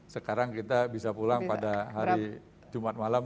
sekarang kita bisa pulang pada hari jumat malam